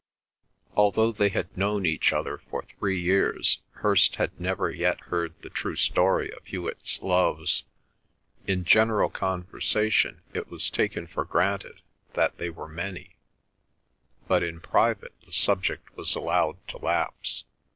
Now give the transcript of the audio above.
Although they had known each other for three years Hirst had never yet heard the true story of Hewet's loves. In general conversation it was taken for granted that they were many, but in private the subject was allowed to lapse.